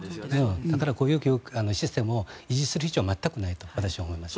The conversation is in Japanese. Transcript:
だからこういうシステムを維持する必要は全くないと私は思いますね。